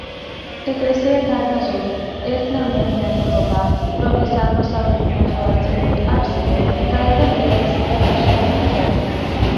ეკლესია დარბაზული, ერთნავიანი ნაგებობაა, რომლის აღმოსავლეთი ნახევარწრიული აფსიდი გარედან კედლის სიბრტყეშია მოქცეული.